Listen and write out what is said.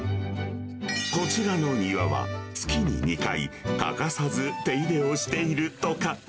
こちらの庭は、月に２回、欠かさず手入れをしているとか。